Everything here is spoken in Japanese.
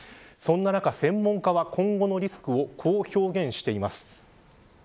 そんな中専門家は今後のリスクをこう表現しています。